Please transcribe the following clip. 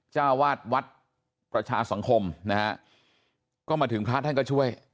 เจ้าวาดวัดประชาสังคมนะฮะก็มาถึงพระท่านก็ช่วย